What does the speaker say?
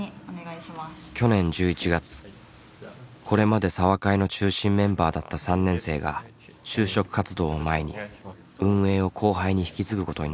去年１１月これまで茶話会の中心メンバーだった３年生が就職活動を前に運営を後輩に引き継ぐことになった。